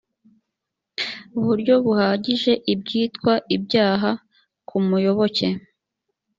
buryo buhagije ibyitwa ibyaha ku muyoboke